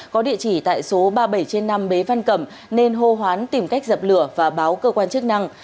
có địa chỉ tại số ba mươi bảy trên năm bế văn cẩm nên hô hoán tìm cách dập lửa và báo cơ quan chức năng